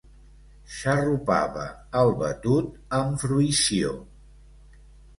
Xarrupava el batut amb fruïció.